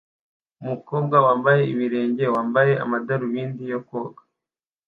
Umukobwa wambaye ibirenge wambaye amadarubindi yo koga